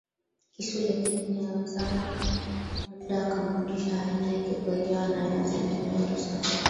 Kisu lakini hawezi labda akamrudisha hali yake Kwa hiyo anayeweza ni Mungu tu Sasa